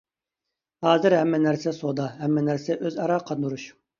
ھازىر ھەممە نەرسە سودا، ھەممە نەرسە ئۆزئارا قاندۇرۇش.